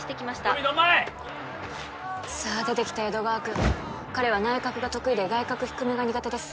トミードンマイさあ出てきた江戸川くん彼は内角が得意で外角低めが苦手です